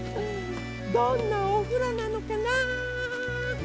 どんなおふろなのかな。